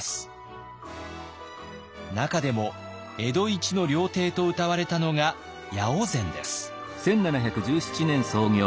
中でも江戸一の料亭とうたわれたのが八百善です。